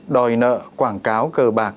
đòi nợ quảng cáo cờ bạc